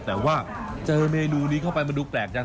แต่ว่าเจอเมนูนี้เข้าไปมันดูแปลกจัง